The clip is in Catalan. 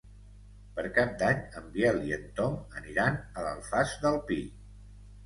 Per Cap d'Any en Biel i en Tom aniran a l'Alfàs del Pi.